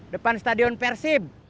depan stadion persib